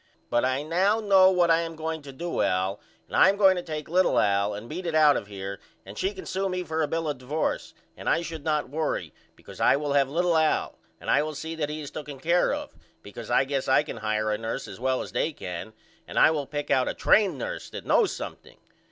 But I know now what I am going to do Al and I am going to take little Al and beat it out of here and she can sew me for a bill of divorce and I should not worry because I will have little Al and I will see that he is tooken care of because I guess I can hire a nurse as well as they can and I will pick out a train nurse that knows something.